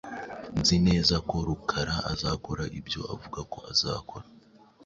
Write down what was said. Nzi neza ko Rukara azakora ibyo avuga ko azakora.